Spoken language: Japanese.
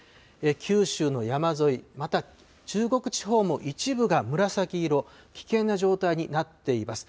九州の山沿い、また中国地方も一部が紫色、危険な状態になっています。